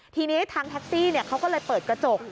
ทีนี้ทางแท็กซี่เขาก็เลยเปิดกระจก